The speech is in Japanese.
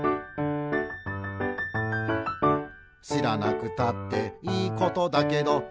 「しらなくたっていいことだけど」